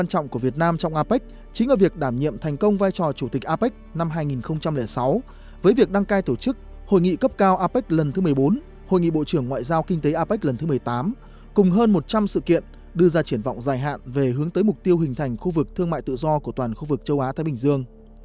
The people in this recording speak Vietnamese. hội nghị cấp cao apec lần thứ một mươi bốn hội nghị bộ trưởng ngoại giao kinh tế apec lần thứ một mươi tám cùng hơn một trăm linh sự kiện đưa ra triển vọng dài hạn về hướng tới mục tiêu hình thành khu vực thương mại tự do của toàn khu vực châu á thái bình dương